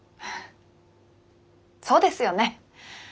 そうですよね。